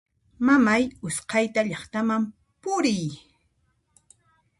Mamay usqhayta llaqtaman puriy!